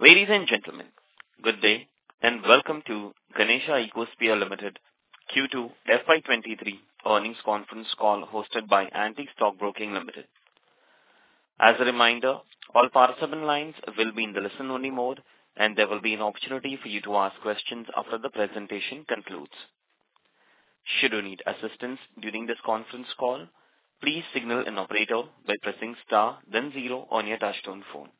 Ladies and gentlemen, good day, and welcome to Ganesha Ecosphere Limited Q2 FY 2023 earnings conference call, hosted by Antique Stock Broking Limited. As a reminder, all participant lines will be in the listen-only mode, and there will be an opportunity for you to ask questions after the presentation concludes. Should you need assistance during this conference call, please signal an operator by pressing star, then zero on your touchtone phone.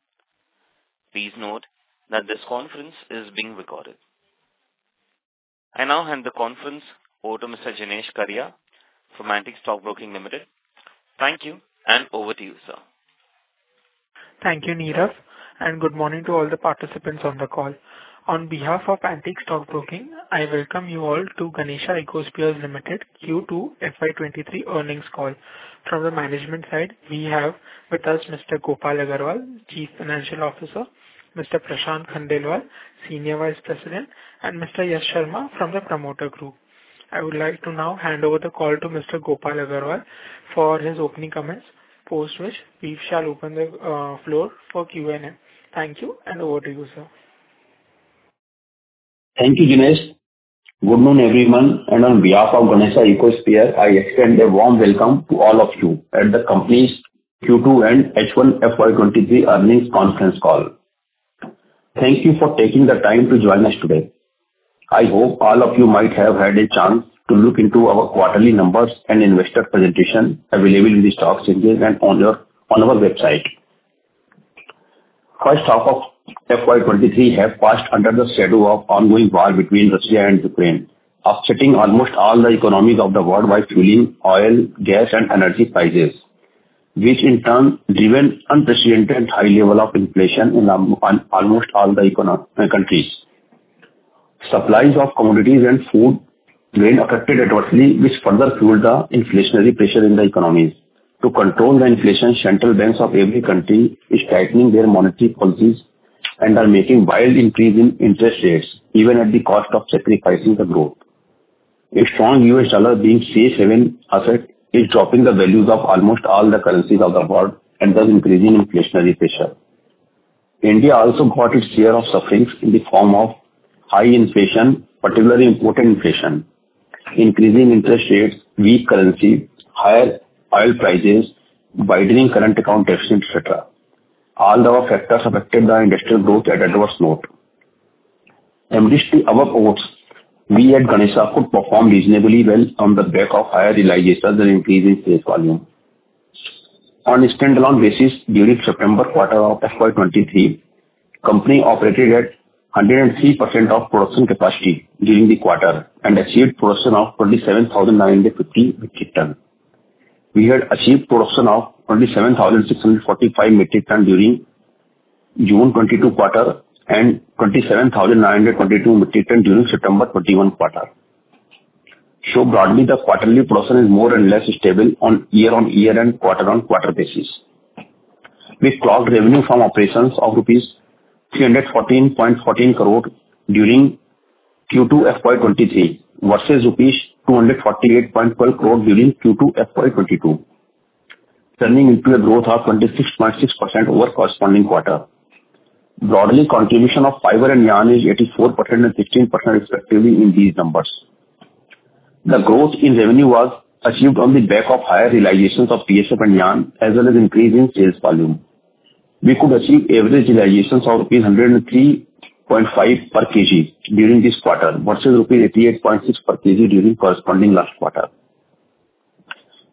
Please note that this conference is being recorded. I now hand the conference over to Mr. Jinesh Karia from Antique Stock Broking Limited. Thank you, and over to you, sir. Thank you, Neeraj, and good morning to all the participants on the call. On behalf of Antique Stock Broking, I welcome you all to Ganesha Ecosphere Limited Q2 FY 2023 earnings call. From the management side, we have with us Mr. Gopal Agarwal, Chief Financial Officer, Mr. Prashant Khandelwal, Senior Vice President, and Mr. Yash Sharma from the Promoter Group. I would like to now hand over the call to Mr. Gopal Agarwal for his opening comments, post which we shall open the floor for Q&A. Thank you, and over to you, sir. Thank you, Jinesh. Good morning, everyone, and on behalf of Ganesha Ecosphere, I extend a warm welcome to all of you at the company's Q2 and H1 FY 2023 earnings conference call. Thank you for taking the time to join us today. I hope all of you might have had a chance to look into our quarterly numbers and investor presentation available in the stock exchanges and on our website. First half of FY 2023 have passed under the shadow of ongoing war between Russia and Ukraine, offsetting almost all the economies worldwide fueling oil, gas, and energy prices, which in turn driven unprecedented high level of inflation in almost all the economies, countries. Supplies of commodities and food were affected adversely, which further fueled the inflationary pressure in the economies. To control the inflation, central banks of every country is tightening their monetary policies and are making wild increase in interest rates, even at the cost of sacrificing the growth. A strong U.S. dollar being safe haven asset, is dropping the values of almost all the currencies of the world, and thus increasing inflationary pressure. India also got its share of sufferings in the form of high inflation, particularly imported inflation, increasing interest rates, weak currency, higher oil prices, widening current account deficit, et cetera. All our factors affected the industrial growth at adverse note. Amidst the above odds, we at Ganesha could perform reasonably well on the back of higher realizations and increase in sales volume. On a standalone basis, during the September quarter of FY 2023, the company operated at 103% of production capacity during the quarter and achieved production of 27,950 metric tons. We had achieved production of 27,645 metric tons during the June 2022 quarter and 27,922 metric tons during the September 2021 quarter. So broadly, the quarterly production is more or less stable on year-on-year and quarter-on-quarter basis. We clocked revenue from operations of rupees 314.14 crore during Q2 FY 2023 versus rupees 248.12 crore during Q2 FY 2022, turning into a growth of 26.6% over corresponding quarter. Broadly, contribution of fiber and yarn is 84% and 16% respectively in these numbers. The growth in revenue was achieved on the back of higher realizations of PSF and yarn, as well as increase in sales volume. We could achieve average realizations of rupees 103.5 per kg during this quarter versus rupees 88.6 per kg during corresponding last quarter.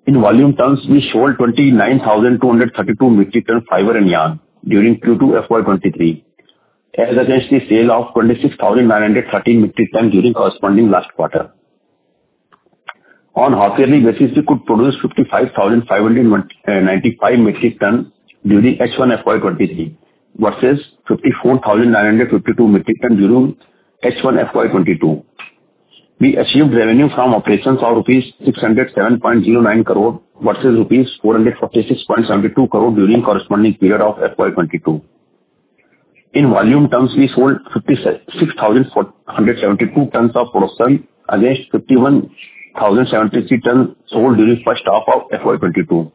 In volume terms, we sold 29,232 metric tons fiber and yarn during Q2 FY 2023, as against the sale of 26,913 metric tons during corresponding last quarter. On half yearly basis, we could produce 55,595 metric tons during H1 FY 2023 versus 54,952 metric tons during H1 FY 2022. We achieved revenue from operations of 607.09 crore versus 446.72 crore during corresponding period of FY 2022. In volume terms, we sold 56,472 tons of production against 51,073 tons sold during first half of FY 2022,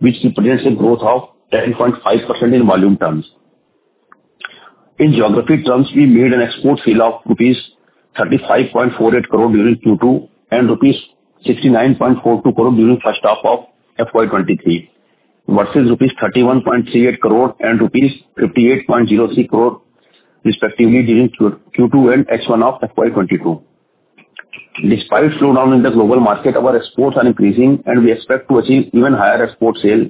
which represents a growth of 10.5% in volume terms. In geography terms, we made an export sale of rupees 35.48 crore during Q2 and rupees 69.42 crore during first half of FY 2023, versus rupees 31.38 crore and rupees 58.06 crore, respectively, during Q2 and H1 of FY 2022. Despite slowdown in the global market, our exports are increasing, and we expect to achieve even higher export sale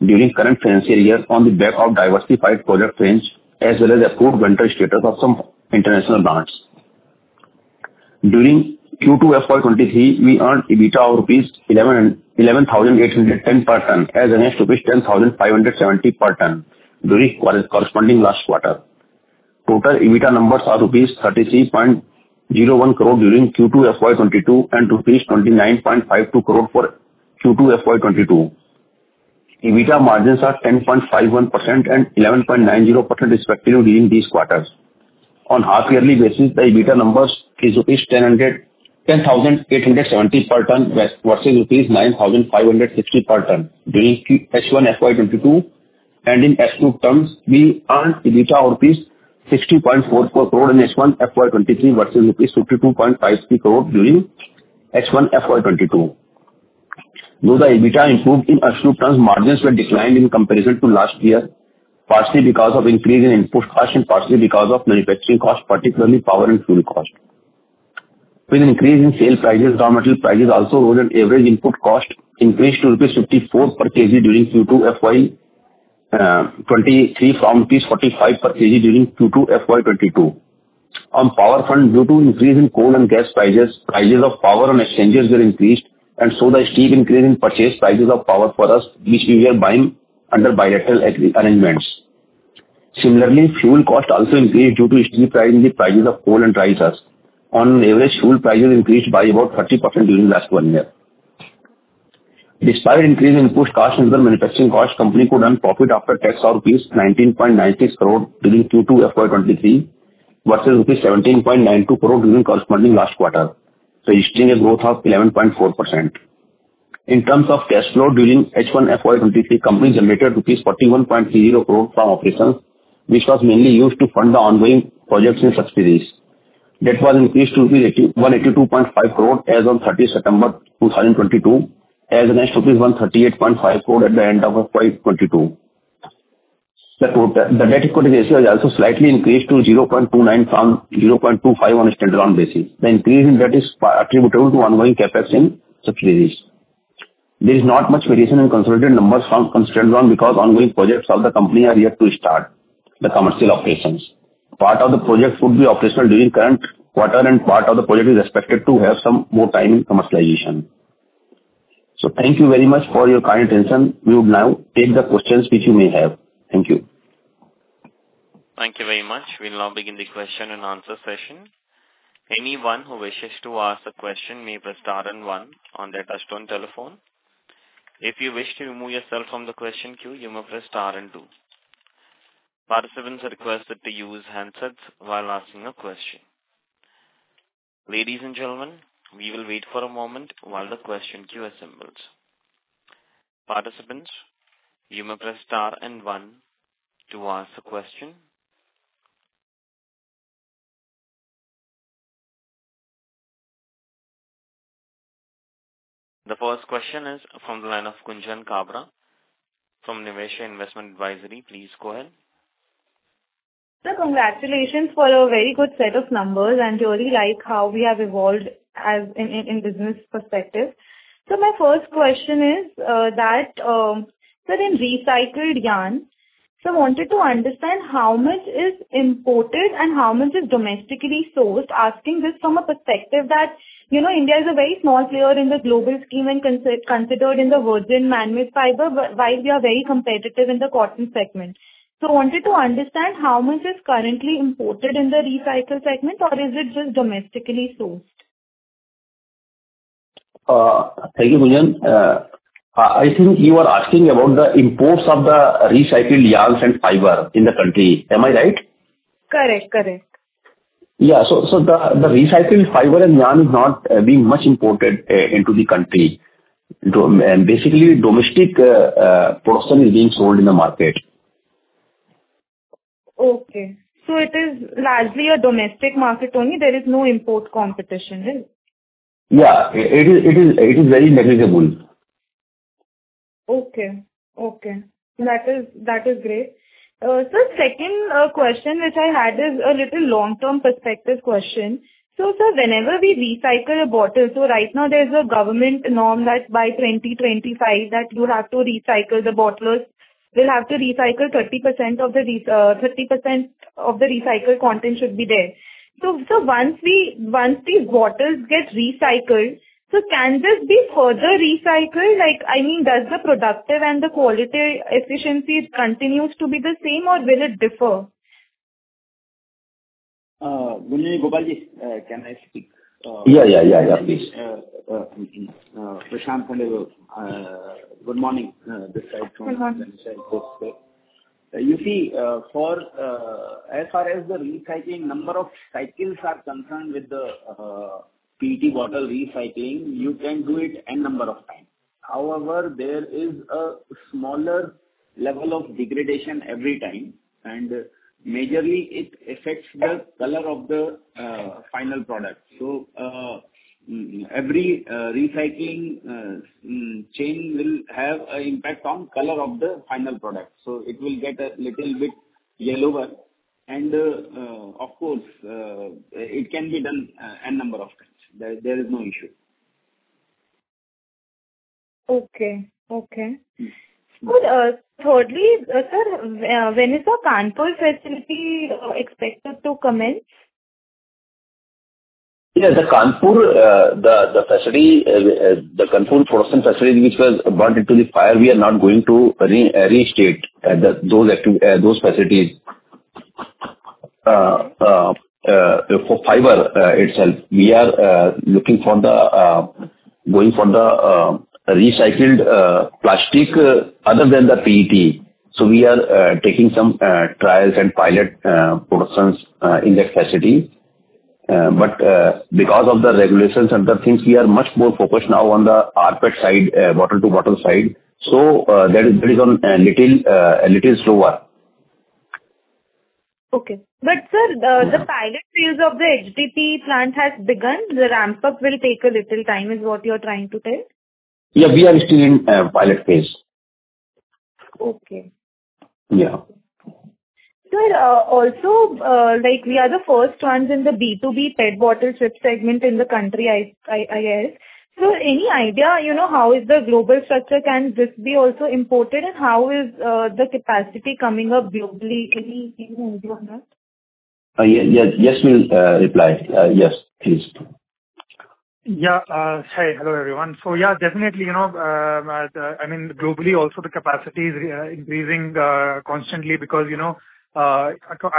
during current financial year on the back of diversified product range as well as approved vendor status of some international brands. During Q2 FY 2023, we earned EBITDA of INR 11,810 per ton, as against INR 10,570 per ton during corresponding last quarter. Total EBITDA numbers are INR 33.01 crore during Q2 FY 2023 and INR 29.52 crore for Q2 FY 2022. EBITDA margins are 10.51% and 11.90% respectively during these quarters. On half yearly basis, the EBITDA numbers is INR 10,870 per ton, versus INR 9,560 per ton, during H1 FY 2022. In H1 terms, we earned EBITDA INR 60.44 crore in H1 FY 2023 versus INR 52.56 crore during H1 FY 2022. Though the EBITDA improved in H2 terms, margins were declined in comparison to last year, partially because of increase in input cost and partially because of manufacturing cost, particularly power and fuel cost. With increase in sales prices, raw material prices also rose, and average input cost increased to 54 rupees per kg during Q2 FY 2023 from 45 rupees per kg during Q2 FY 2022. On power front, due to increase in coal and gas prices, prices of power on exchanges were increased, and so the steep increase in purchase prices of power for us, which we are buying under bilateral agreements. Similarly, fuel cost also increased due to steep rise in the prices of coal and diesel. On average, fuel prices increased by about 30% during last one year. Despite increase in input cost and the manufacturing cost, company could earn profit after tax of rupees 19.96 crore during Q2 FY 2023, versus 17.92 crore during corresponding last quarter, so a growth of 11.4%. In terms of cash flow during H1 FY 2023, company generated rupees 41.30 crore from operations, which was mainly used to fund the ongoing projects and subsidiaries. Debt was increased to rupees 81.82 crore as on 30th September 2022, as against rupees 138.5 crore at the end of FY 2022. The total, the debt-equity ratio has also slightly increased to 0.29 from 0.25 on a standalone basis. The increase in debt is attributable to ongoing CapEx in subsidiaries. There is not much variation in consolidated numbers from standalone because ongoing projects of the company are yet to start the commercial operations. Part of the projects would be operational during current quarter, and part of the project is expected to have some more time in commercialization. Thank you very much for your kind attention. We will now take the questions which you may have. Thank you. Thank you very much. We'll now begin the question and answer session. Anyone who wishes to ask a question may press star and one on their touchtone telephone. If you wish to remove yourself from the question queue, you may press star and two. Participants are requested to use handsets while asking a question. Ladies and gentlemen, we will wait for a moment while the question queue assembles. Participants, you may press star and one to ask a question. The first question is from the line of Gunjan Kabra from Niveshaay Investment Advisory. Please go ahead. Sir, congratulations for a very good set of numbers, and really like how we have evolved as in business perspective. So my first question is, so in recycled yarn, so wanted to understand how much is imported and how much is domestically sourced. Asking this from a perspective that, you know, India is a very small player in the global scheme and considered in the virgin man-made fiber, but while we are very competitive in the cotton segment. So wanted to understand how much is currently imported in the recycled segment, or is it just domestically sourced? Thank you, Gunjan. I think you are asking about the imports of the recycled yarns and fiber in the country. Am I right? Correct, correct. Yeah. So the recycled fiber and yarn is not being much imported into the country. And basically, domestic portion is being sold in the market. Okay. So it is largely a domestic market only, there is no import competition, right? Yeah, it is, it is, it is very negligible. Okay. Okay, that is, that is great. Sir, second question which I had is a little long-term perspective question. So sir, whenever we recycle a bottle... So right now there's a government norm that by 2025, that you have to recycle the bottlers. Bottlers will have to recycle 30% of the recycled content should be there. So, so once the, once the bottles get recycled, so can this be further recycled? Like, I mean, does the productive and the quality efficiency continues to be the same, or will it differ? Gunjan, Gopal ji, can I speak? Yeah, yeah, yeah, yeah. Please. Prashant Khandelwal. Good morning, this side. Good morning. You see, as far as the recycling number of cycles are concerned with the PET bottle recycling, you can do it N number of time. However, there is a smaller level of degradation every time, and majorly it affects the color of the final product. So, every recycling chain will have an impact on color of the final product. So it will get a little bit yellower, and, of course, it can be done N number of times. There is no issue. Okay, okay. Mm. Good. Thirdly, sir, when is the Kanpur facility expected to commence? Yeah, the Kanpur facility, the Kanpur production facility, which was burnt in the fire, we are not going to reinstate those facilities. For fiber itself, we are looking to go for the recycled plastic other than the PET. So we are taking some trials and pilot productions in that facility. But because of the regulations and the things, we are much more focused now on the rPET side, bottle-to-bottle side. So that is a little slower. Okay. But sir, the pilot phase of the HDPE plant has begun. The ramp up will take a little time, is what you're trying to say? Yeah, we are still in pilot phase. Okay. Yeah. Sir, also, like, we are the first ones in the B2B PET bottle chip segment in the country, I guess. So any idea, you know, how is the global structure? Can this be also imported, and how is the capacity coming up globally? Any view on that? Yes, yes, Yash will reply. Yes, please. Yeah. Hi, hello, everyone. So yeah, definitely, you know, the, I mean, globally, also, the capacity is increasing constantly because, you know, I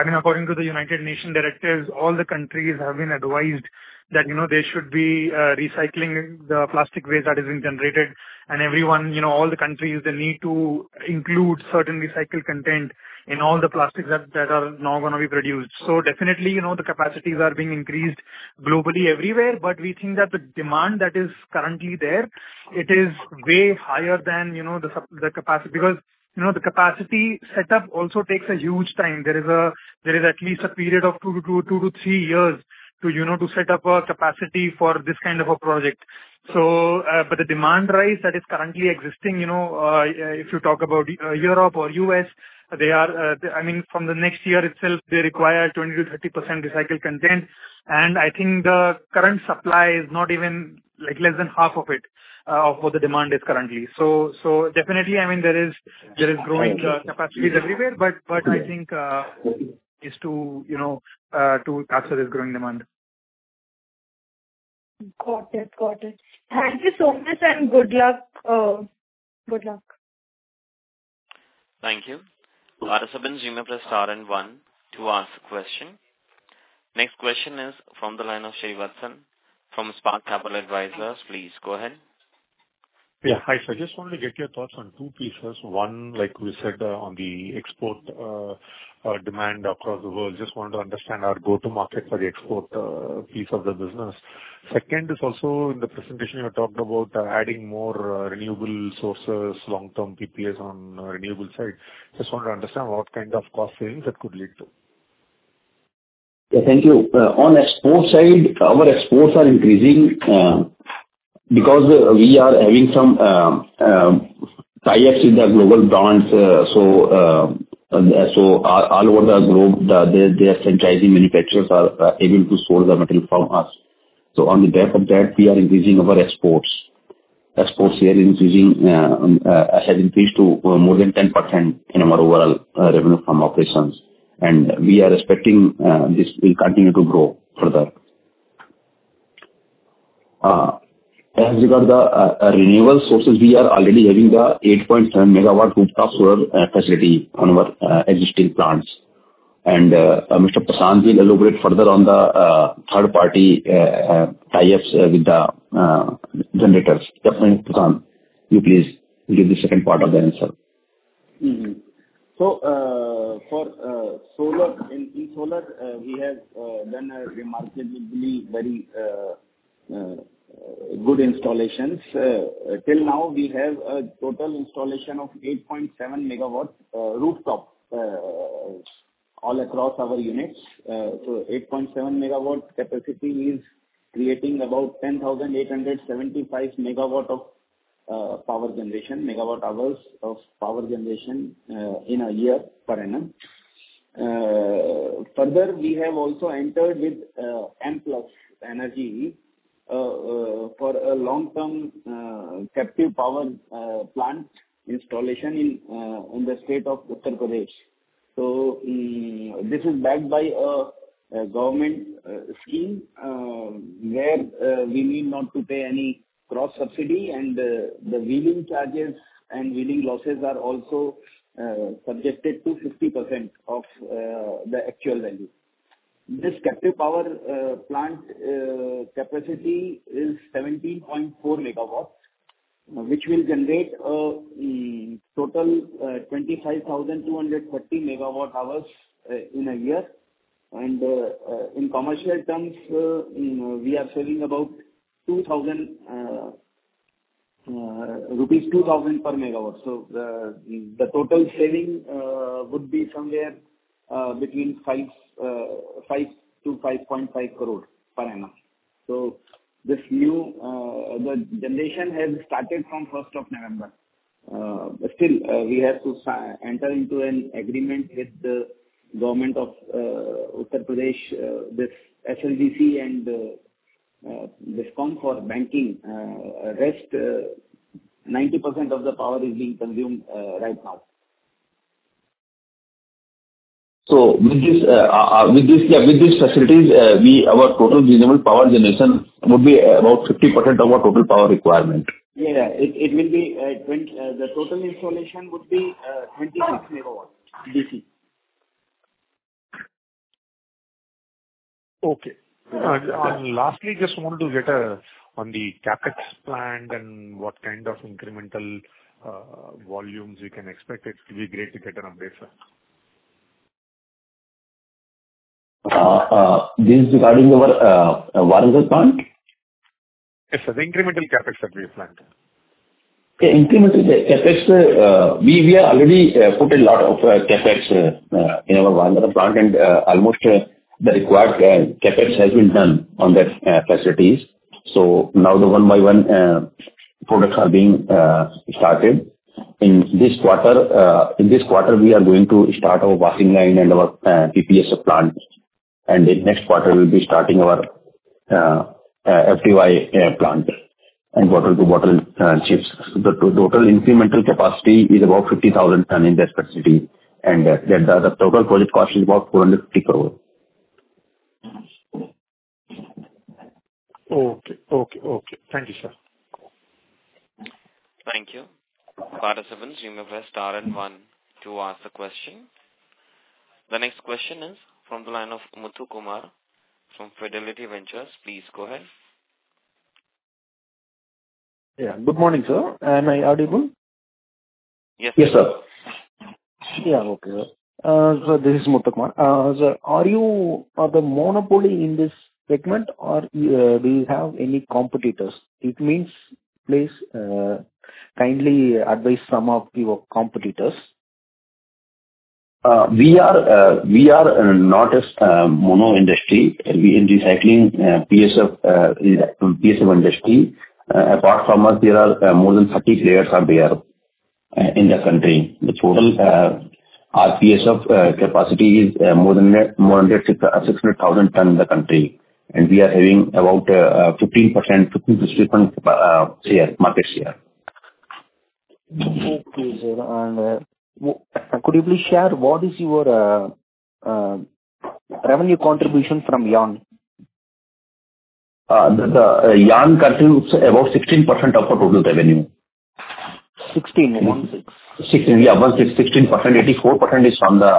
mean, according to the United Nations directives, all the countries have been advised that, you know, they should be recycling the plastic waste that is being generated. And everyone, you know, all the countries, they need to include certain recycled content in all the plastics that are now gonna be produced. So definitely, you know, the capacities are being increased globally, everywhere. But we think that the demand that is currently there, it is way higher than, you know, the capacity. Because, you know, the capacity setup also takes a huge time. There is at least a period of two to three years, you know, to set up a capacity for this kind of a project. So, but the demand rise that is currently existing, you know, if you talk about Europe or U.S., they are, they... I mean, from the next year itself, they require 20%-30% recycled content, and I think the current supply is not even, like, less than half of it, of what the demand is currently. So, definitely, I mean, there is growing capacities everywhere. But I think is to, you know, to capture this growing demand. Got it. Got it. Yeah. Thank you so much, and good luck, good luck. Thank you. Operator, give me plus star and one to ask a question. Next question is from the line of Srivatsan from Spark Capital Advisors. Please, go ahead. Yeah. Hi, so I just wanted to get your thoughts on two pieces. One, like we said, on the export, demand across the world. Just wanted to understand our go-to market for the export, piece of the business. Second is also in the presentation, you had talked about, adding more, renewable sources, long-term PPAs on the renewable side. Just wanted to understand what kind of cost savings that could lead to. Yeah, thank you. On export side, our exports are increasing because we are having some tie-ups with the global brands. So all over the globe, their centralizing manufacturers are able to source the material from us. So on the back of that, we are increasing our exports. Exports have increased to more than 10% in our overall revenue from operations. And we are expecting this will continue to grow further. As regards the renewable sources, we are already having the 8.7 MW rooftop solar facility on our existing plants. And Mr. Prashant will elaborate further on the third party tie-ups with the generators. Prashant, you please give the second part of the answer. Mm-hmm. So, for solar, in solar, we have done a remarkably very good installations. Till now, we have a total installation of 8.7 MW rooftop all across our units. So 8.7 MW capacity is creating about 10,875 MWh of power generation in a year, per annum. Further, we have also entered with Amplus Energy Solutions for a long-term captive power plant installation in the state of Uttar Pradesh. So, this is backed by a government scheme, where we need not to pay any cross-subsidy, and the wheeling charges and wheeling losses are also subjected to 50% of the actual value. This captive power plant capacity is 17.4 MW, which will generate total 25,230 MWh in a year. In commercial terms, we are saving about 2,000 rupees per MW. The total saving would be somewhere between 5-5.5 crore per annum. This new generation has started from first of November. But still, we have to enter into an agreement with the Government of Uttar Pradesh, with SLDC and DISCOM for banking. Rest 90% of the power is being consumed right now. With these facilities, our total renewable power generation would be about 50% of our total power requirement. Yeah, yeah. It will be 26 MW DC. The total installation would be 26 MW DC. Okay. And lastly, just wanted to get a, on the CapEx plan and what kind of incremental, volumes we can expect it to be great to get an update, sir. This is regarding our water plant? Yes, sir, the incremental CapEx that we planned. The incremental CapEx, we, we are already put a lot of CapEx in our Warangal plant, and almost the required CapEx has been done on that facilities. So now the one by one products are being started. In this quarter, in this quarter, we are going to start our washing line and our PSF plant, and the next quarter we'll be starting our FDY plant and bottle-to-bottle chips. The total incremental capacity is about 50,000 tons in that facility, and the total project cost is about 450 crore. Okay. Okay, okay. Thank you, sir. Thank you. Participants, you may press star and one to ask the question. The next question is from the line of Muthukumar from Fidelity Investments. Please go ahead. Yeah. Good morning, sir. Am I audible? Yes. Yes, sir. Yeah. Okay. So this is Muthukumar. Sir, are you the monopoly in this segment or do you have any competitors? I mean, please kindly advise some of your competitors. We are not a monopoly in the recycling PSF industry. Apart from us, there are more than 30 players in the country. The total RPSF capacity is more than 600,000 tons in the country, and we are having about 15% market share. Okay, sir. Could you please share what is your revenue contribution from yarn? The yarn contributes about 16% of the total revenue. 16? 16. 16, yeah, one six, 16%. 84% is from the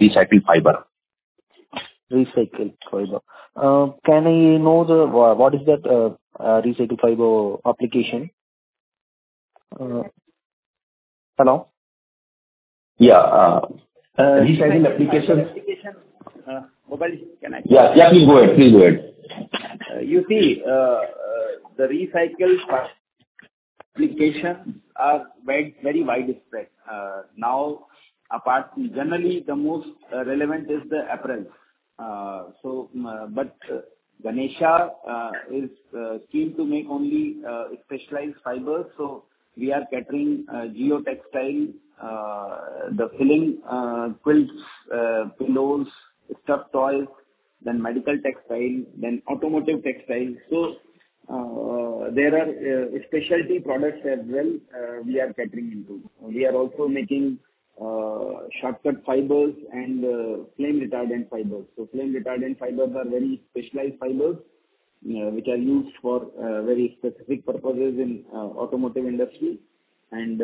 recycled fiber. Recycled fiber. Can I know the, what is that, recycled fiber application? Hello? Yeah. Recycling application. Application, mobile, can I. Yeah. Yeah, please go ahead. Please go ahead. You see, the recycled application are very, very widespread. Now, apart from generally, the most relevant is the apparel. So, but Ganesha is keen to make only specialized fiber, so we are catering geotextile, the filling, quilts, pillows, stuffed toys, then medical textiles, then automotive textiles. So, there are specialty products as well, we are catering into. We are also making shortcut fibers and flame retardant fibers. So flame retardant fibers are very specialized fibers, which are used for very specific purposes in automotive industry. And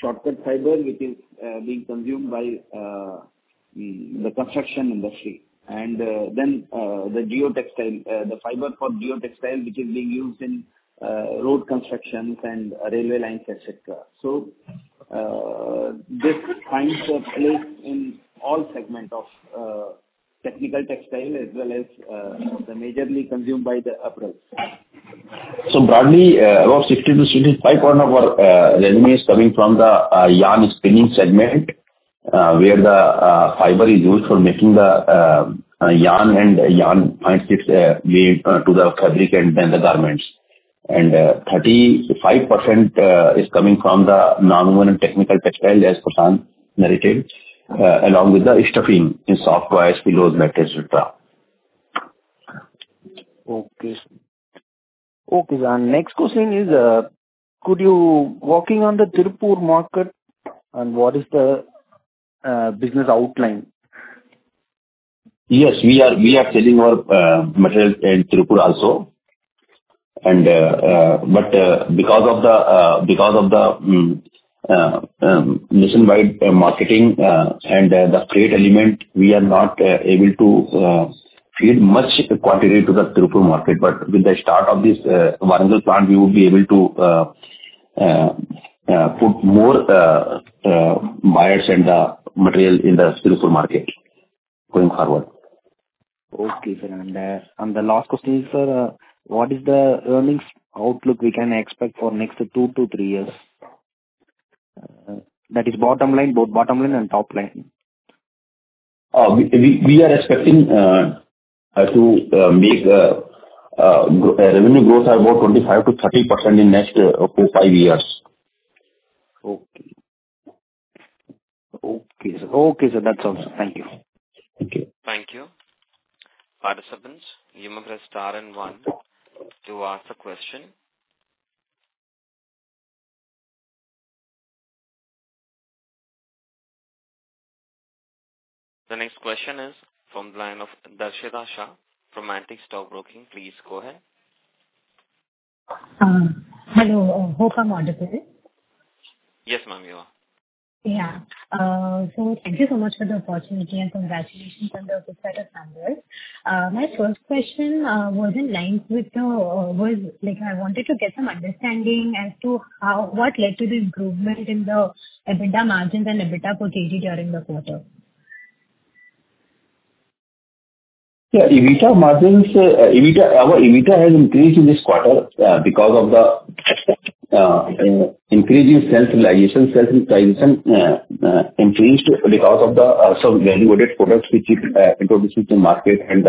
shortcut fiber, which is being consumed by the construction industry. And then the geotextile, the fiber for geotextile, which is being used in road constructions and railway lines, etcetera. This finds a place in all segment of technical textile as well as the majorly consumed by the apparel. So broadly, about 60%-65% of our revenue is coming from the yarn spinning segment, where the fiber is used for making the yarn and yarn fine chips made to the fabric and then the garments. And 35% is coming from the non-woven and technical textile, as Prashant narrated, along with the stuffing in sofas, pillows, mattress, etcetera. Okay. Okay, sir. Next question is, could you walk on the Tirupur market and what is the business outline? Yes, we are selling our material in Tirupur also. Because of the commission-wise marketing and the trade element, we are not able to feed much quantity to the Tirupur market. But with the start of this Warangal plant, we would be able to put more buyers and the material in the Tirupur market going forward. Okay, sir. And the last question, sir, what is the earnings outlook we can expect for next 2 to 3 years? That is bottom line, both bottom line and top line. We are expecting to make revenue growth are about 25%-30% in next five years. Okay. Okay, sir. Okay, sir, that's all, sir. Thank you. Thank you. Thank you. Participants, you may press star and one to ask a question. The next question is from line of Darshita Shah from Antique Stock Broking. Please go ahead. Hello. Hope I'm audible? Yes, ma'am, you are. Yeah. So thank you so much for the opportunity, and congratulations on the good set of numbers. My first question was in line with the, like, I wanted to get some understanding as to how what led to the improvement in the EBITDA margins and EBITDA for CG during the quarter? Yeah, EBITDA margins, EBITDA, our EBITDA has increased in this quarter, because of the increase in sales realization. Sales realization increased because of the some value-added products which we introduced in the market, and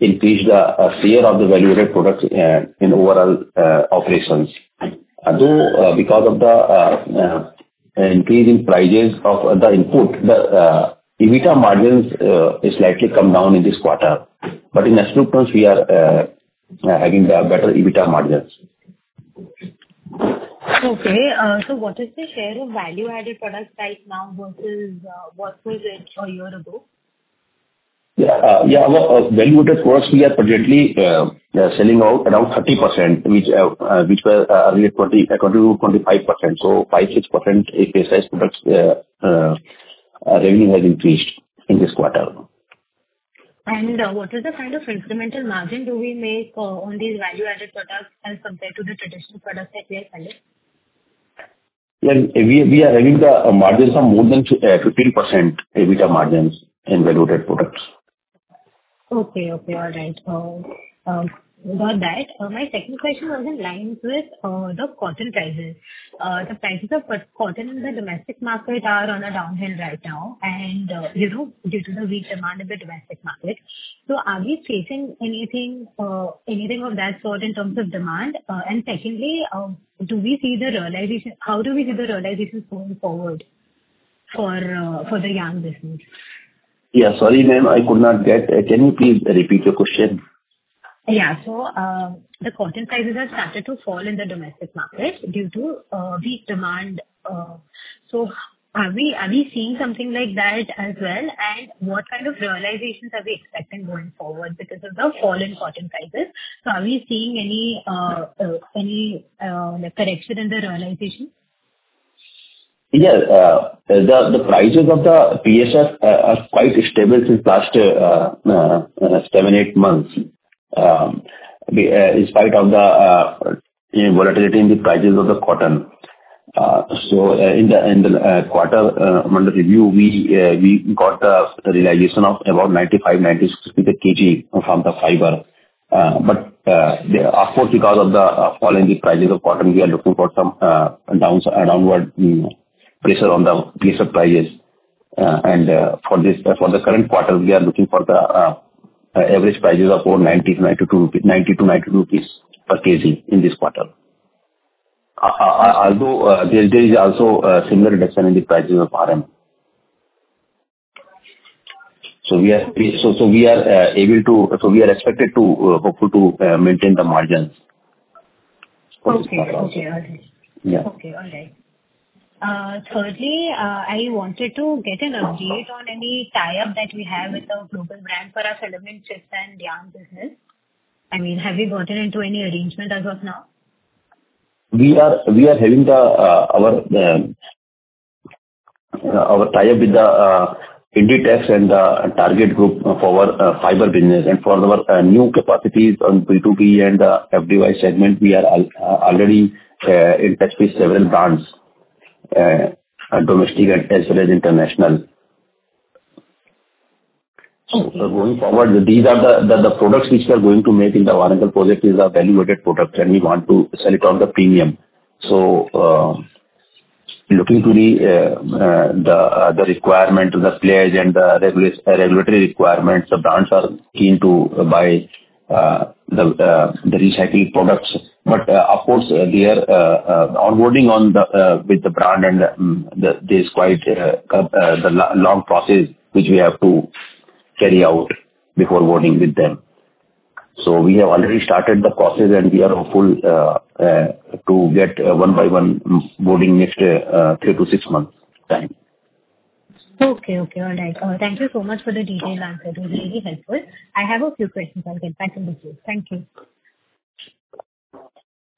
increased the sale of the value-added products in overall operations. Although, because of the increase in prices of the input, the EBITDA margins is slightly come down in this quarter. But in absolute terms, we are having the better EBITDA margins. Okay. So what is the share of value-added products right now versus what was it a year ago? Our value-added products, we are presently selling out around 30%, which were earlier 20 to 25%. So 5-6% VAPS products revenue has increased in this quarter. What is the kind of incremental margin do we make on these value-added products as compared to the traditional products that we are selling? Well, we are having the margins of more than 15% EBITDA margins in value-added products. Okay, okay. All right. About that, my second question was in line with the cotton prices. The prices of cotton in the domestic market are on a downhill right now, and due to the weak demand in the domestic market. So are we facing anything of that sort in terms of demand? And secondly, do we see the realization? How do we see the realization going forward for the yarn business? Yeah, sorry, ma'am, I could not get it. Can you please repeat your question? Yeah. So, the cotton prices have started to fall in the domestic market due to weak demand. So are we seeing something like that as well? And what kind of realizations are we expecting going forward because of the fall in cotton prices? So are we seeing any like correction in the realization? Yeah, the prices of the PSF are quite stable since last 7-8 months, in spite of the volatility in the prices of the cotton. So, in the quarter under review, we got the realization of about 95-96 per kg from the fiber. But yeah, of course, because of the fall in the prices of cotton, we are looking for some downward pressure on the PSF prices. And for the current quarter, we are looking for the average prices of around 90-92 rupees per kg in this quarter. Although there is also a similar reduction in the prices of RM. So we are expected to, hoping to, maintain the margins for this quarter. Okay. Okay, all right. Yeah. Okay, all right. Thirdly, I wanted to get an update on any tie-up that we have with the global brand for our filament chips and yarn business. I mean, have you gotten into any arrangement as of now? We are having our tie-up with the Inditex and the Target Group for our fiber business. And for our new capacities on B2B and the FDY segment, we are already in touch with several brands, domestic as well as international. So going forward, these are the products which we are going to make in the Warangal project is a value-added product, and we want to sell it on the premium. So, looking to the requirement to the players and the regulatory requirements, the brands are keen to buy the recycling products. But, of course, we are onboarding on the with the brand and the, the, there's quite the long process which we have to carry out before boarding with them. So we have already started the process, and we are hopeful to get one by one boarding next 3-6 months' time. Okay, okay. All right. Thank you so much for the detailed answer. Okay. It was really helpful. I have a few questions. I'll get back to you. Thank you.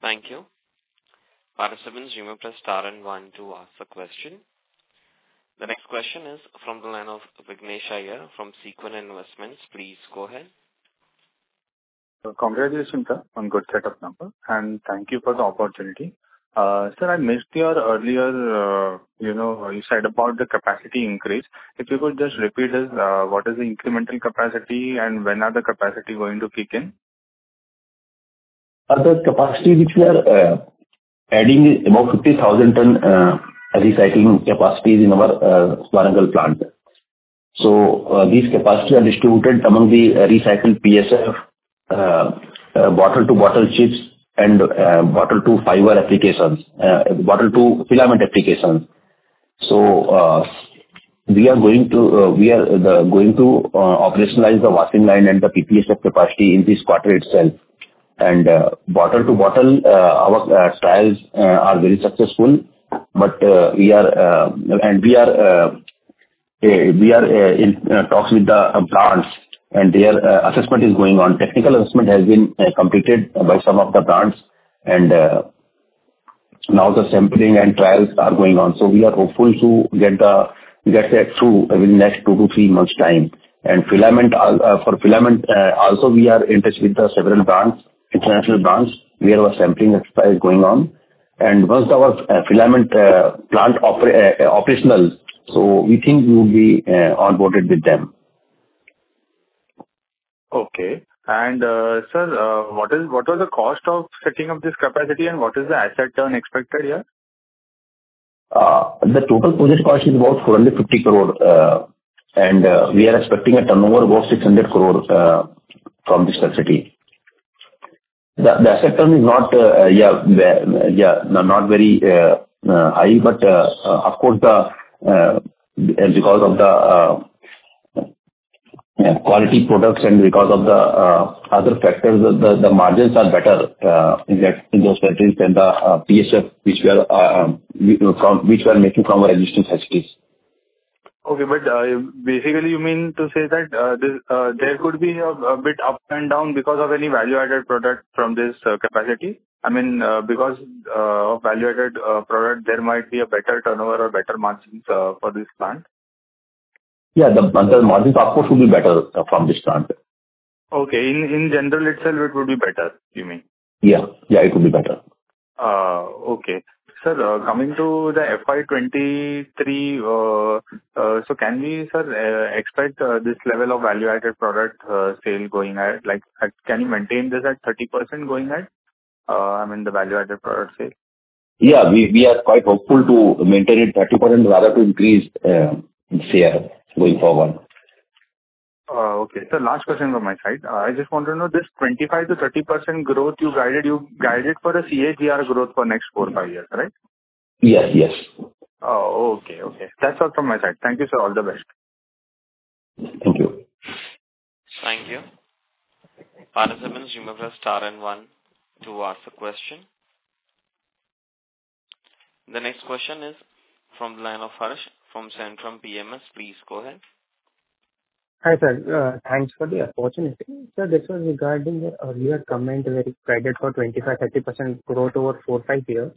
Thank you. Participants, you may press star and one to ask a question. The next question is from the line of Vignesh Iyer from Sequent Investments. Please go ahead. Congratulations on good set of numbers, and thank you for the opportunity. Sir, I missed your earlier, you know, you said about the capacity increase. If you could just repeat this, what is the incremental capacity, and when are the capacity going to kick in? The capacity which we are adding is about 50,000 tons recycling capacities in our Warangal plant. So, these capacities are distributed among the recycled PSF, bottle-to-bottle chips, and bottle-to-fiber applications, bottle-to-filament applications. So, we are going to operationalize the washing line and the RPSF capacity in this quarter itself. And bottle-to-bottle our trials are very successful, but we are in talks with the brands, and their assessment is going on. Technical assessment has been completed by some of the brands, and now the sampling and trials are going on, so we are hopeful to get that through within next 2-3 months time. Filament, for filament, also we are in touch with the several brands, international brands, where our sampling exercise is going on. Once our filament plant operational, so we think we will be onboarded with them. Okay. And, sir, what was the cost of setting up this capacity, and what is the asset turn expected here? The total project cost is about 450 crore, and we are expecting a turnover above 600 crore from this capacity. The asset turn is not very high, but of course, because of the quality products and because of the other factors, the margins are better in that, in those countries than the PSF, which we are making from our existing facilities. Okay, but basically you mean to say that this, there could be a bit up and down because of any value-added product from this capacity? I mean, because of value-added product, there might be a better turnover or better margins for this plant. Yeah, the margins of course would be better from this plant. Okay. In general itself, it would be better, you mean? Yeah. Yeah, it would be better. Okay. Sir, coming to the FY 2023, so can we, sir, expect this level of value-added product sale going at, like, can you maintain this at 30% going ahead? I mean, the value-added product sale. Yeah, we are quite hopeful to maintain it 30%, rather to increase share going forward. Okay. So last question from my side. I just want to know this 25%-30% growth you guided, you guided for the CAGR growth for next four, five years, right? Yes, yes. Oh, okay, okay. That's all from my side. Thank you, sir. All the best. Thank you. Thank you. Participants, you may press star and one to ask a question. The next question is from the line of Harish, from Centrum Broking. Please go ahead. Hi, sir. Thanks for the opportunity. Sir, this was regarding your earlier comment, where you guided for 25%-30% growth over 4-5 years.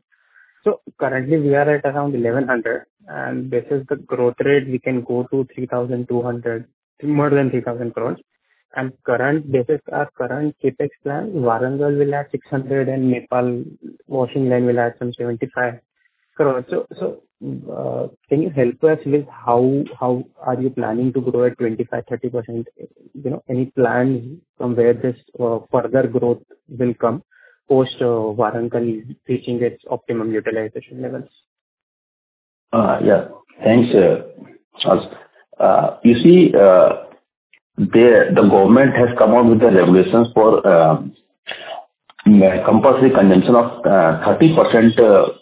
So currently, we are at around 1,100 crores, and this is the growth rate we can go to 3,200 crores, more than 3,000 crores. And current, this is our current CapEx plan, Warangal will add 600 crores, and Nepal washing line will add some 75 crores. So, can you help us with how, how are you planning to grow at 25%-30%? You know, any plan from where this further growth will come post Warangal reaching its optimum utilization levels? Yeah. Thanks, Harish. You see, the government has come out with the regulations for compulsory consumption of 30%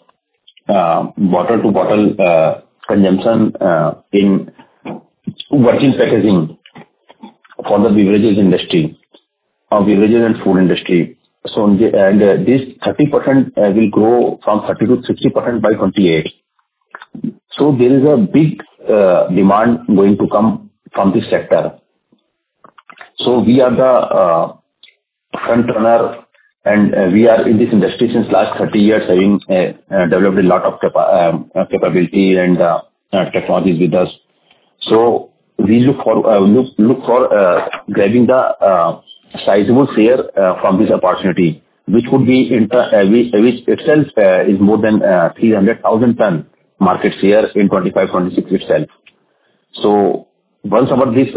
bottle-to-bottle consumption in virgin packaging for the beverages industry, or beverages and food industry. So, and this 30% will grow from 30% to 60% by 2028. So there is a big demand going to come from this sector. So we are the frontrunner, and we are in this industry since last 30 years, having developed a lot of capability and technologies with us. So we look for grabbing the sizable share from this opportunity, which itself is more than 300,000 ton market share in 2025, 2026 itself. So once our first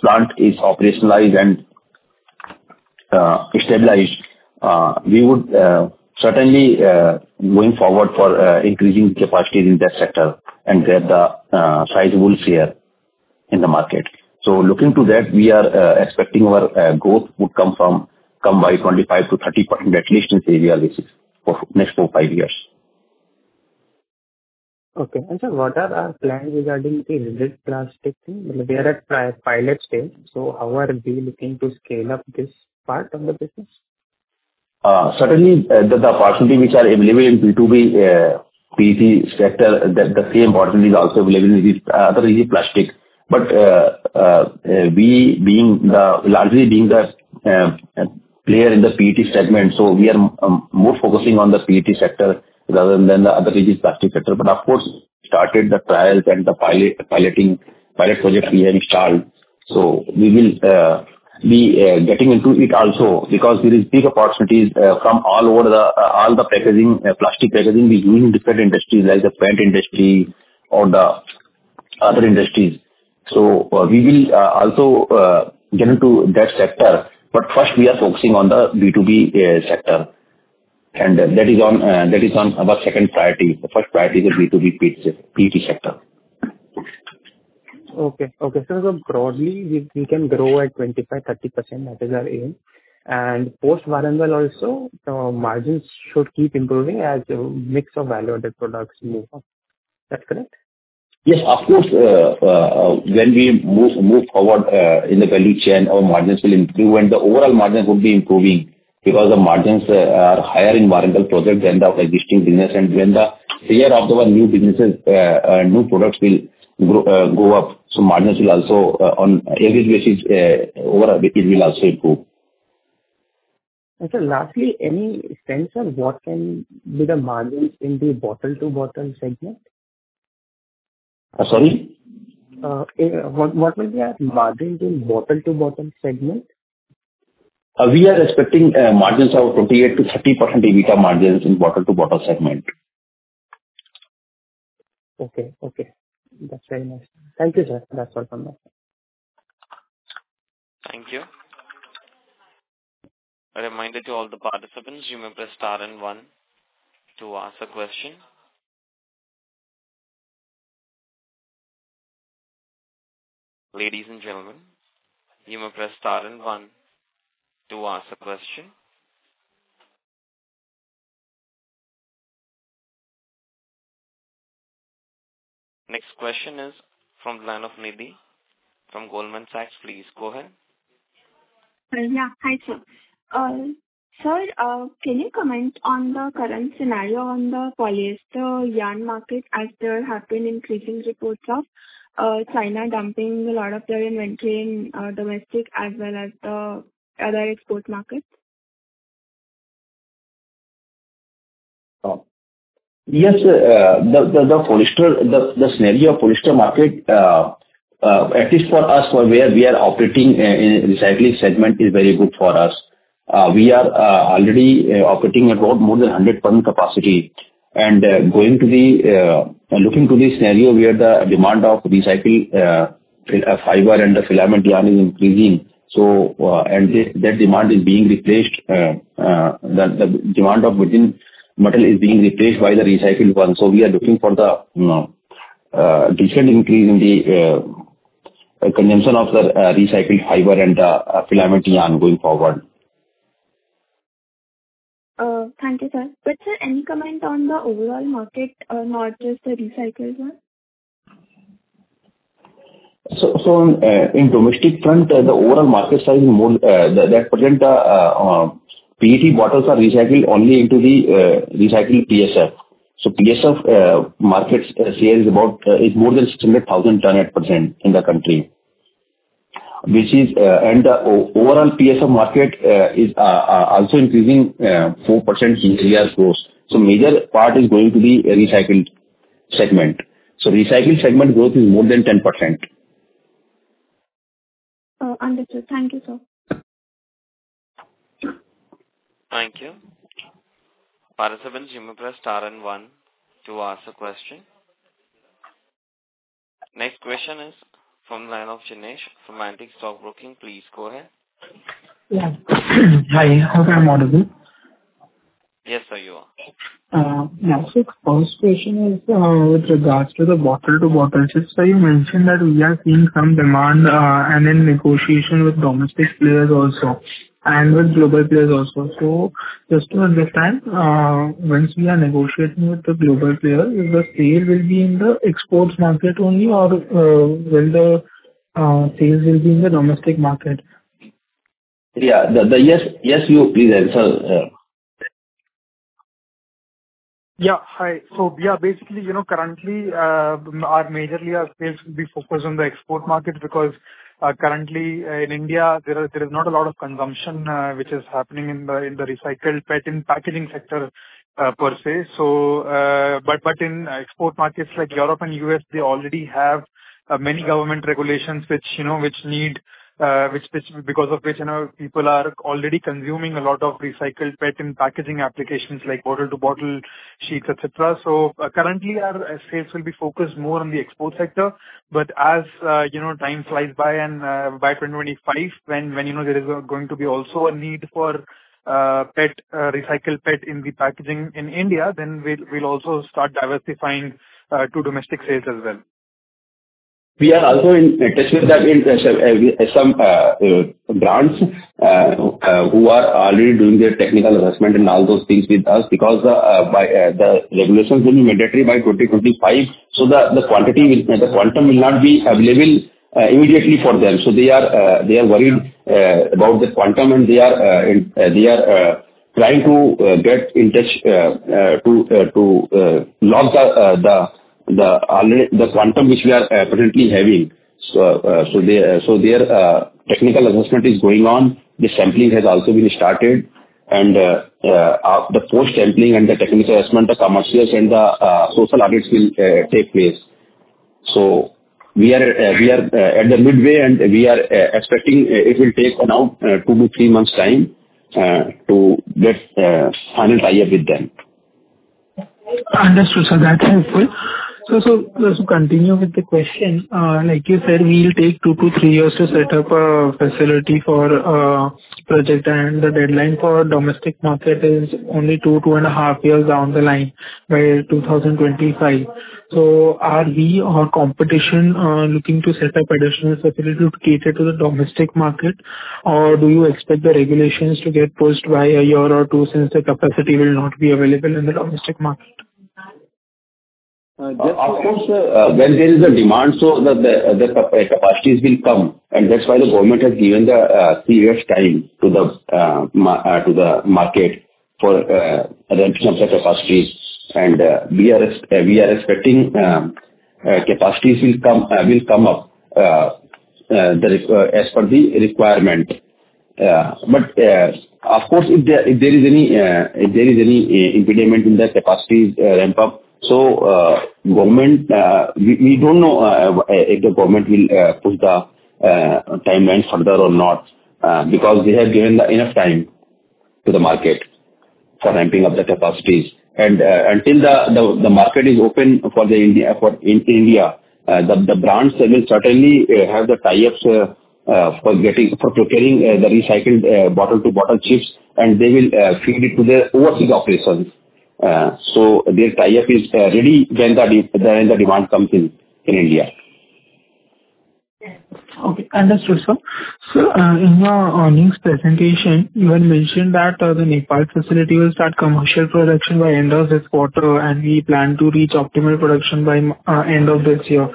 plant is operationalized and stabilized, we would certainly going forward for increasing capacities in that sector and get the sizable share in the market. So looking to that, we are expecting our growth would come by 25%-30%, at least in area basis, for next four, five years. Okay. And sir, what are our plans regarding the rigid plastic thing? We are at pilot stage, so how are we looking to scale up this part of the business? Certainly, the facilities which are available in B2B PET sector, the same facility is also available in this other rigid plastic. But we being largely the player in the PET segment, so we are more focusing on the PET sector rather than the other rigid plastic sector. But of course, started the trials and the pilot project we have installed. So we will be getting into it also, because there is big opportunities from all over the all the packaging plastic packaging be doing different industries, like the plant industry or the other industries. So we will also get into that sector. But first we are focusing on the B2B sector, and that is on our second priority. The first priority is B2B PET sector. Okay. Okay, so broadly, we can grow at 25-30%, that is our aim. Post Warangal also, margins should keep improving as a mix of value-added products move up. Is that correct? Yes, of course. When we move forward in the value chain, our margins will improve, and the overall margins would be improving because the margins are higher in the Warangal project than our existing business. And when the scale of our new businesses, new products will grow, go up, so margins will also, on average basis, overall, it will also improve. Sir, lastly, any sense of what can be the margins in the bottle-to-bottle segment? Sorry? What, what will be our margin in bottle-to-bottle segment? We are expecting margins of 48%-30% EBITDA margins in bottle-to-bottle segment. Okay, okay. That's very nice. Thank you, sir. That's all from me. Thank you. A reminder to all the participants, you may press star and one to ask a question. Ladies and gentlemen, you may press star and one to ask a question. Next question is from line of Nidhi, from Goldman Sachs. Please go ahead. Yeah. Hi, sir. Sir, can you comment on the current scenario on the polyester yarn market, as there have been increasing reports of China dumping a lot of their inventory in domestic as well as the other export markets? Yes, the scenario of the polyester market, at least for us, for where we are operating in the recycling segment, is very good for us. We are already operating at about more than 100% capacity. And, looking to the scenario where the demand of recycled fiber and the filament yarn is increasing, so, and that demand is being replaced, the demand of virgin bottle is being replaced by the recycled one. So we are looking for the decent increase in the consumption of the recycled fiber and the filament yarn going forward. Thank you, sir. But sir, any comment on the overall market, not just the recycled one? In domestic front, the overall market size is more than present. PET bottles are recycled only into the recycled PSF. PSF market share is about more than 600,000 tons at present in the country. Which is, and the overall PSF market is also increasing 4% in the year's growth. Major part is going to be a recycled segment. Recycled segment growth is more than 10%. Understood. Thank you, sir. Thank you. Participants, you may press star and one to ask a question. Next question is from the line of Jinesh, from Axis Securities. Please go ahead. Yeah. Hi, hope you're audible. Yes, sir, you are. My first question is, with regards to the bottle-to-bottle. Just so you mentioned that we are seeing some demand, and in negotiation with domestic players also, and with global players also. So just to understand, once we are negotiating with the global players, will the sale will be in the exports market only, or, will the sales will be in the domestic market? Yeah. Yes, yes, you please answer. Yeah. Hi. So yeah, basically, you know, currently, our majorly our sales will be focused on the export market, because, currently in India, there are, there is not a lot of consumption, which is happening in the, in the recycled PET in packaging sector, per se. So, but, but in export markets like Europe and U.S., they already have, many government regulations, which, you know, which need, which, which because of which, you know, people are already consuming a lot of recycled PET in packaging applications like bottle to bottle, sheets, et cetera. So currently, our sales will be focused more on the export sector, but as, you know, time flies by and, by 2025, when, when, you know, there is going to be also a need for, PET, recycled PET in the packaging in India, then we'll, we'll also start diversifying, to domestic sales as well. We are also in touch with them in some brands who are already doing their technical assessment and all those things with us, because by the regulations will be mandatory by 2025, so the quantum will not be available immediately for them. So they are worried about the quantum, and they are trying to get in touch to lock the only quantum which we are apparently having. So their technical assessment is going on. The sampling has also been started, and the post sampling and the technical assessment, the commercials and the social audits will take place. So we are at the midway, and we are expecting it will take around 2-3 months' time to get final tie-up with them. Understood, sir. That's helpful. So, so just to continue with the question, like you said, we'll take 2-3 years to set up a facility for, project, and the deadline for domestic market is only 2-2.5 years down the line, by 2025. So are we or competition, looking to set up additional facility to cater to the domestic market, or do you expect the regulations to get pushed by a year or 2, since the capacity will not be available in the domestic market? Of course, when there is a demand, so the capacities will come, and that's why the government has given the three years' time to the market for adoption of the capacities. We are expecting capacities will come up as per the requirement. Yeah, but of course, if there is any impediment in the capacity ramp up, so government we don't know if the government will push the timelines further or not, because they have given the enough time to the market for ramping up the capacities. Until the market is open for India, in India, the brands will certainly have the tie-ups for getting, for procuring the recycled bottle-to-bottle chips, and they will feed it to their overseas operations. So their tie-up is ready when the demand comes in India. Okay, understood, sir. So, in your earnings presentation, you had mentioned that the Nepal facility will start commercial production by end of this quarter, and we plan to reach optimal production by end of this year.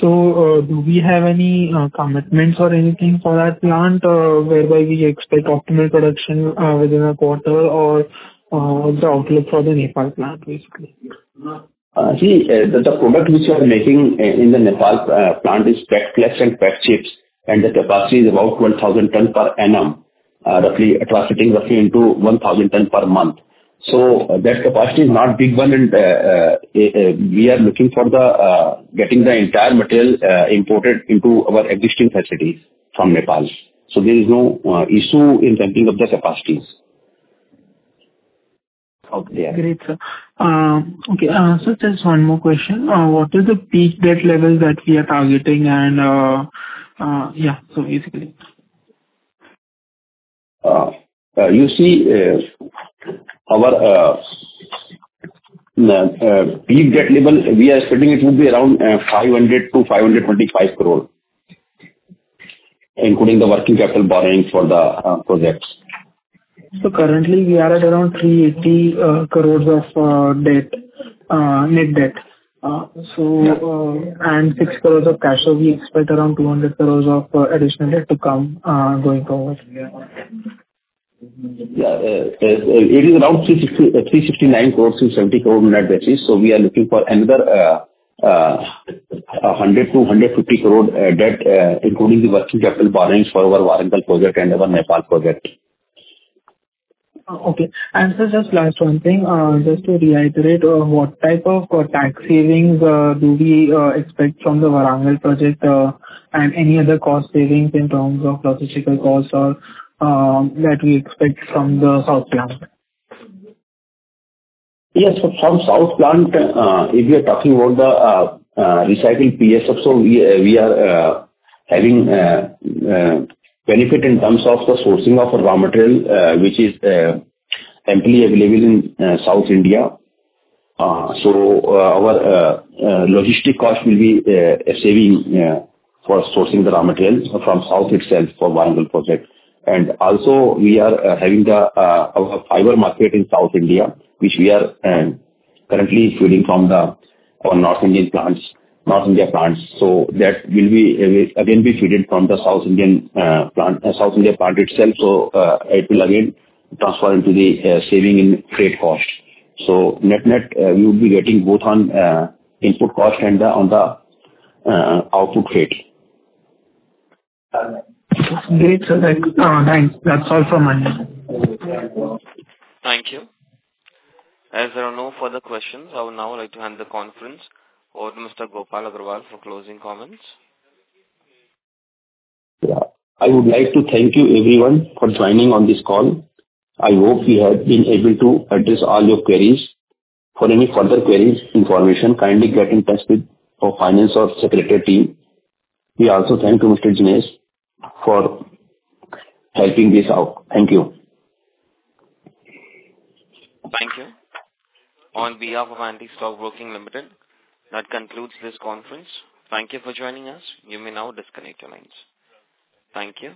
So, do we have any commitments or anything for that plant, whereby we expect optimal production within a quarter or the outlook for the Nepal plant, basically? See, the product which we are making in the Nepal plant is PET flakes and PET chips, and the capacity is about 1,000 tons per annum, roughly translating into 1,000 tons per month. So that capacity is not big one, and we are looking for the getting the entire material imported into our existing facility from Nepal. So there is no issue in ramping up the capacities. Okay, great, sir. Okay, so just one more question. What is the peak debt level that we are targeting and, yeah, so basically. You see, our peak debt level, we are expecting it to be around 500 crore-525 crore, including the working capital borrowing for the projects. So currently, we are at around 380 crore of debt, net debt. So. Yeah. And 6 crores of cash, so we expect around 200 crores of additional debt to come, going forward. Yeah. It is around 369 crore-70 crore net debt, so we are looking for another 100 crore-150 crore debt, including the working capital borrowings for our Warangal project and our Nepal project. Okay. And so just last one thing, just to reiterate, what type of tax savings do we expect from the Warangal project, and any other cost savings in terms of logistical costs or that we expect from the south plant? Yes, from South plant, if we are talking about the recycling PSF, so we are having benefit in terms of the sourcing of raw material, which is amply available in South India. So our logistic cost will be a saving for sourcing the raw materials from south itself for Warangal project. And also, we are having our fiber market in South India, which we are currently feeding from our north Indian plants, North India plants. So that will again be fed in from the South Indian plant, South India plant itself, so it will again transfer into the saving in freight costs. So net-net, we will be getting both on input cost and the on the output freight. Great, sir. Thanks. That's all from my end. Thank you. As there are no further questions, I would now like to hand the conference over to Mr. Gopal Agarwal for closing comments. Yeah. I would like to thank you everyone for joining on this call. I hope we have been able to address all your queries. For any further queries, information, kindly get in touch with our finance or secretary team. We also thank you, Mr. Jinesh, for helping this out. Thank you. Thank you. On behalf of Antique Stock Broking Limited, that concludes this conference. Thank you for joining us. You may now disconnect your lines. Thank you.